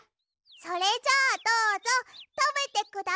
それじゃあどうぞたべてください。